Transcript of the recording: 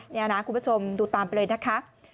ในอนาคตคุณผู้ชมดูตามไปเลยนะคะ